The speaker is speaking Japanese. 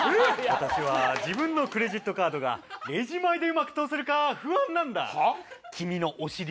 私は自分のクレジットカードがレジ前でうまく通せるか、不安なんだ。